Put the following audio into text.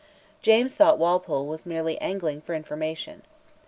James thought that Walpole was merely angling for information.